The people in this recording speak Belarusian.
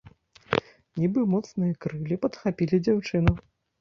Нібы моцныя крыллі падхапілі дзяўчыну.